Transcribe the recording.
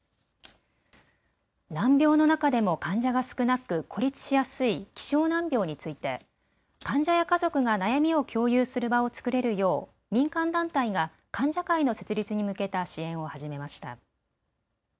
難病の中でも患者が少なく孤立しやすい希少難病について患者や家族が悩みを共有する場を作れるよう民間団体が患者会の設立に向けた支援を始めました。